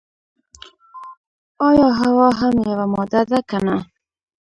ایا هوا هم یوه ماده ده که نه.